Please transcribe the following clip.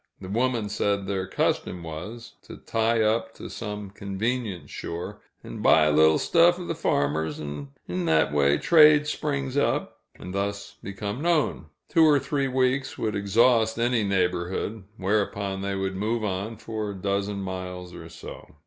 The woman said their custom was, to tie up to some convenient shore and "buy a little stuff o' the farmers, 'n' in that way trade springs up," and thus become known. Two or three weeks would exhaust any neighborhood, whereupon they would move on for a dozen miles or so.